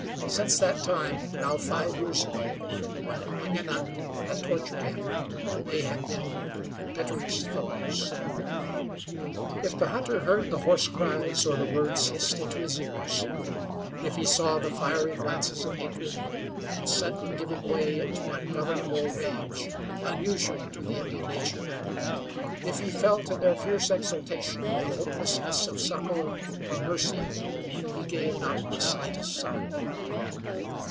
Since that time, now five years ago, when Wingenund had tortured him, they had been bitterest foes. If the hunter heard the hoarse cries, or the words hissed into his ears; if he saw the fiery glances of hatred, and sudden giving way to ungovernable rage, unusual to the Indian nature; if he felt in their fierce exultation the hopelessness of succor or mercy, he gave not the slightest sign.